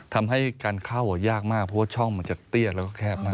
ทำให้การเข้ายากมากเพราะว่าช่องมันจะเตี้ยแล้วก็แคบมาก